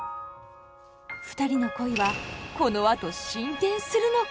ふたりの恋はこのあと進展するのか。